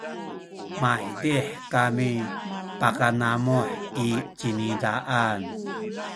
maydih kami pakanamuh i cinizaan